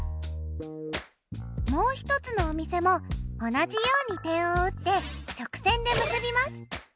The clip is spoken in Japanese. もう一つのお店も同じように点を打って直線で結びます。